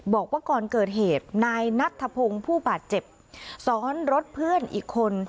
บอกว่าก่อนเกิดเหตุนายนัทธพงศ์ผู้บาดเจ็บซ้อนรถเพื่อนอีกคน